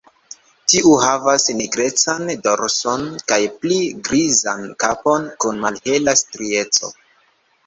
Tiu havas nigrecan dorson kaj pli grizan kapon kun malhela strieco.